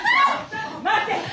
待て！